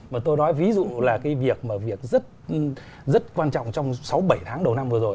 mà tôi nói ví dụ là cái việc mà việc rất quan trọng trong sáu bảy tháng đầu năm vừa rồi